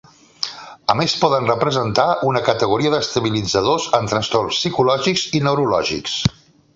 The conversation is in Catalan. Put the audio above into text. A més poden representar una categoria d'estabilitzadors en trastorns psicòtics i neurològics.